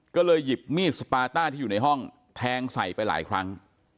ก็เลยหยิบมีดสปาต้าที่อยู่ในห้องแทงใส่ไปหลายครั้ง